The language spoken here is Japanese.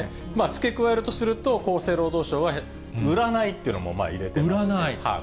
付け加えるとすると、厚生労働省は、売らないっていうのも入れて売らない？